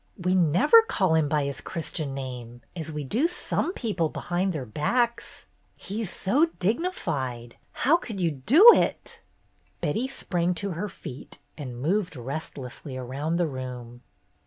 "We never call him by his Christian name, as we do some people be hind their backs. He 's so dignified. How could you do it!" Betty sprang to her feet and moved restlessly around the room.